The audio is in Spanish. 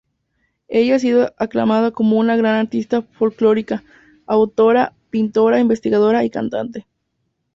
Ella ha sido aclamada como una gran artista folclórica, autora, pintora, investigadora y cantante.